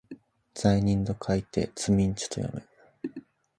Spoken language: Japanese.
罪人と書いてつみんちゅと読む